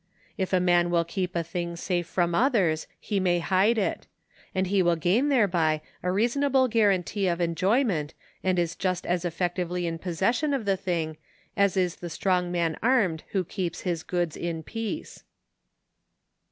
If a man will keep a thing safe from others, he may hide it ; and he will gain thereby a reasonable guarantee of enjoyment and is just as effectively in possession of the thing, as is the strong man armed who keeps his goods in peace.